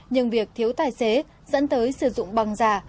nhưng việc thiếu tài xế dẫn tới sử dụng băng giả